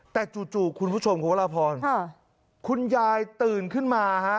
แต่จู่คุณผู้ชมคุณพระราพรคุณยายตื่นขึ้นมาฮะ